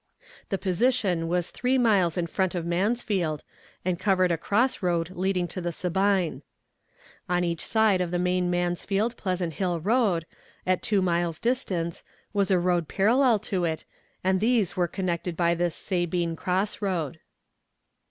The position was three miles in front of Mansfield, and covered a cross road leading to the Sabine. On each side of the main Mansfield Pleasant Hill road at two miles' distance, was a road parallel to it, and these were connected by this Sabine cross road.